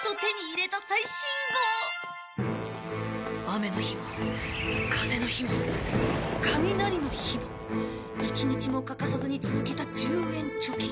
雨の日も風の日も雷の日も一日も欠かさずに続けた１０円貯金。